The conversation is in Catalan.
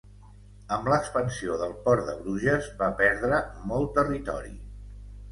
Amb l'expansió del port de Bruges va perdre molt territori.